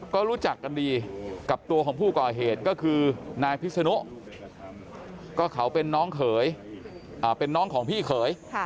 ก็รู้จักกันดีกับตัวของผู้ก่อเหตุก็คือนายพิศนุก็เขาเป็นน้องเขยเป็นน้องของพี่เขย